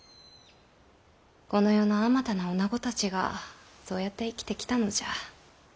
この世のあまたの女子たちがそうやって生きてきたのじゃ。